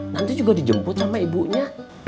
nanti juga dijemput sama ibunya